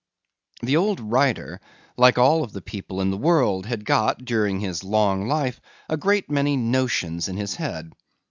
The old writer, like all of the people in the world, had got, during his long life, a great many notions in his head.